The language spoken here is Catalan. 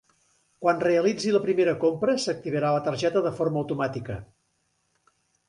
Quan realitzi la primera compra s'activarà la targeta de forma automàtica.